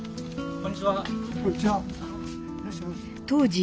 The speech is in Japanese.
こんにちは。